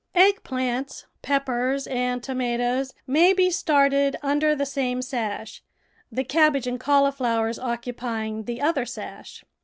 THE VEGETABLE GARDEN Egg plants, peppers, and tomatoes may be started under the same sash, the cabbage and cauli flowers occupying the other sash.